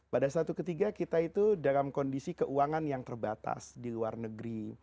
pada satu ketiga kita itu dalam kondisi keuangan yang terbatas di luar negeri